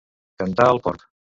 Cantar el porc.